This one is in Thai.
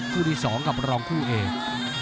คู่ที่๒กับรองคู่เอก